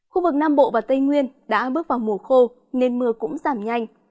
khu vực nam bộ và tây nguyên đã bước vào mùa khô nên mưa cũng giảm nhanh